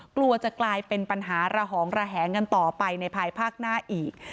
กลัวจะกลายเป็นปัญหาระหองระแหงกันต่อไปในภายภาคหน้าอีก